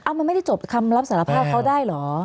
มันไม่ได้จบคำรับสารภาพเขาได้เหรอ